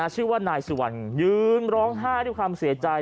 ชื่อว่านายสุวรรณยืนร้องไห้ด้วยความเสียใจ